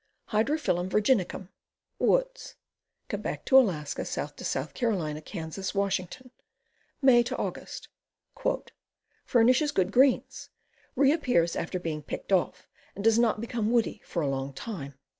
Hydrophyllum Virginicum. Woods. Que bec to Alaska, south to S. C., Kan., Wash. May Aug. "Furnishes good greens. Reappears after being picked off, and does not become woody for a long time."